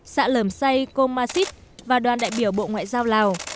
xã lầm xây cô ma xích và đoàn đại biểu bộ ngoại giao lào